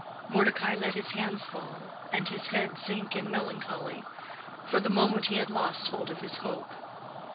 Mordecai let his hands fall, and his head sink in melancholy: for the moment he had lost hold of his hope.